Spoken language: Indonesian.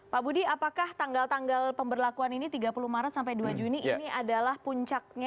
pak budi apakah tanggal tanggal pemberlakuan ini tiga puluh maret sampai dua juni ini adalah puncaknya